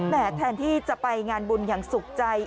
แทนที่จะไปงานบุญอย่างสุขใจ